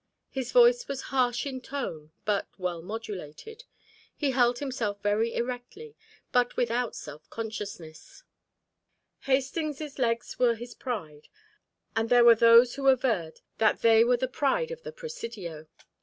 His voice was harsh in tone but well modulated. He held himself very erectly but without self consciousness. Hastings' legs were his pride, and there were those who averred that they were the pride of the Presidio.